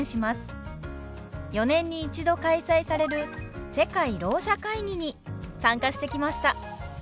４年に一度開催される世界ろう者会議に参加してきました。